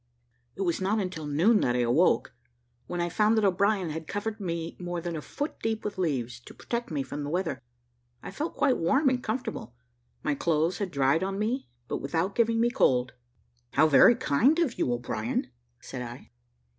It was not until noon that I awoke, when I found that O'Brien had covered me more than a foot deep with leaves, to protect me from the weather. I felt quite warm and comfortable; my clothes had dried on me, but without giving me cold. "How very kind of you, O'Brien!" said I.